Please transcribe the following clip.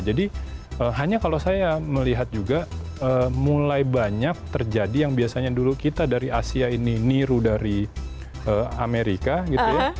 jadi hanya kalau saya melihat juga mulai banyak terjadi yang biasanya dulu kita dari asia ini niru dari amerika gitu ya